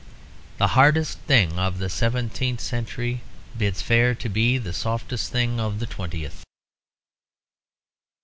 The hardest thing of the seventeenth century bids fair to be the softest thing of the twentieth.